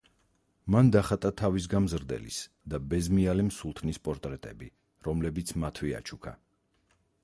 მან დახატა თავის გამზრდელის და ბეზმიალემ სულთნის პორტრეტები, რომლებიც მათვე აჩუქა.